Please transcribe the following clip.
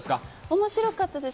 面白かったです